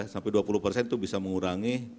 sampai dua puluh persen itu bisa mengurangi